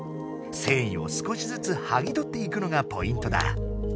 せんいを少しずつはぎとっていくのがポイントだ。